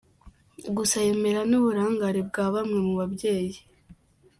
Gusa yemera n’uburangare bwa bamwe mu babyeyi.